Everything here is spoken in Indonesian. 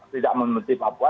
tidak membenci papua